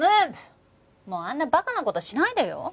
もうあんなバカな事しないでよ。